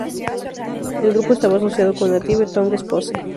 El grupo estaba asociado con Native Tongues Posse.